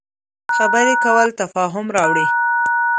خبرې کول تفاهم راوړي